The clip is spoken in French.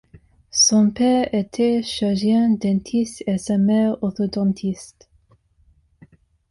Son père était chirurgien dentiste et sa mère orthodontiste.